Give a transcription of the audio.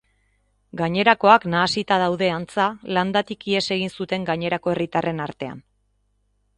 Gainerakoak nahasita daude, antza, landatik ihes egin zuten gainerako herritarren artean.